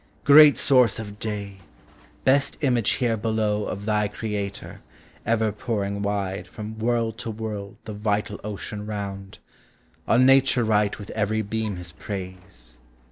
Great source of day ! best image here below Of thy Creator, ever pouring wide, From world to world, the vital ocean round, On Nature write with every beam his praise.